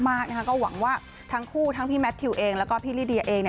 มากนะคะก็หวังว่าทั้งคู่ทั้งพี่แมททิวเองแล้วก็พี่ลิเดียเอง